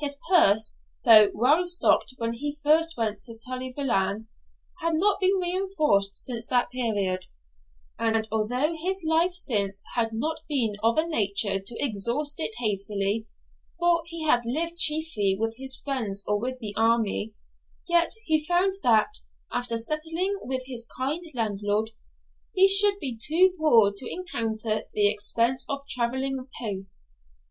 His purse, though well stocked when he first went to Tully Veolan, had not been reinforced since that period; and although his life since had not been of a nature to exhaust it hastily, for he had lived chiefly with his friends or with the army, yet he found that, after settling with his kind landlord, he should be too poor to encounter the expense of travelling post.